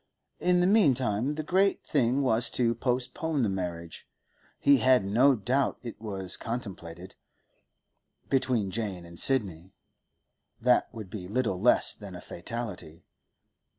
In the meantime, the great thing was to postpone the marriage—he had no doubt it was contemplated—between Jane and Sidney. That would be little less than a fatality.